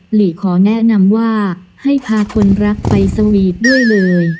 หลีขอแนะนำว่าให้พาคนรักไปสวีทด้วยเลย